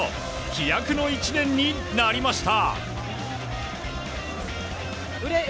飛躍の１年になりました。